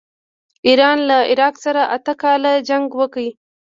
ایران له عراق سره اته کاله جنګ وکړ.